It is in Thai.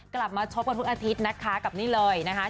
กลับมาชกกันทุกอาทิตย์นะคะกับนี่เลยนะคะ